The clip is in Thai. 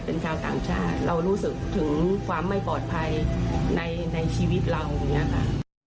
เป็นชาวต่างชาติเรารู้สึกถึงความไม่ปลอดภัยในชีวิตเราอย่างนี้ค่ะ